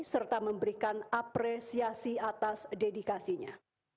serta memberikan apresiasi atas dedikasinya